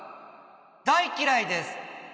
大嫌いです